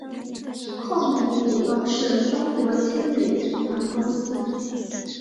控股股东是中国青旅集团公司。